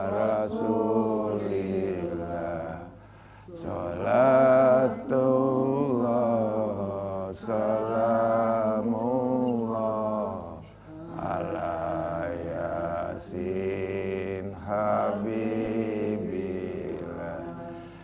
rasulullah sholatullah salamullah ala yasin habibillah